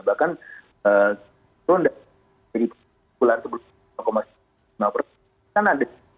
bahkan itu tidak jadi bulan sebelumnya